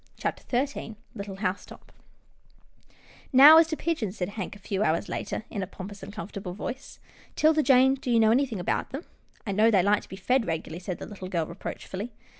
CHAPTER XIII LITTLE HOUSETOP " Now as to pigeons," said Hank a few hours later, in a pompous and comfortable voice, " 'Tilda Jane, do you know anything about them? " I know they like to be fed regularly," said the little girl, reproachfully.